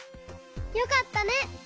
よかったね！